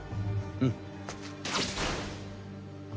うん。